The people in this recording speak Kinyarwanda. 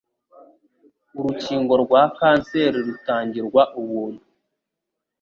Urukingo rwa kanseri rutangirwa ubuntu.